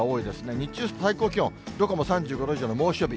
日中の最高気温、どこも３５度以上の猛暑日。